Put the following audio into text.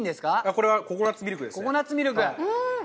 これはココナッツミルクですね。